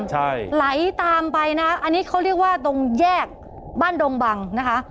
ใช่ไหลตามไปนะอันนี้เขาเรียกว่าตรงแยกบ้านดงบังนะคะ